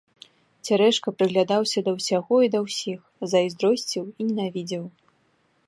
Цярэшка прыглядаўся да ўсяго і да ўсіх, зайздросціў і ненавідзеў.